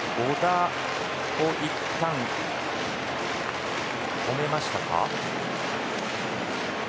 いったん、止めましたか。